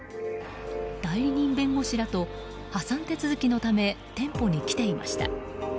代理人弁護士らと破産手続きのため店舗に来ていました。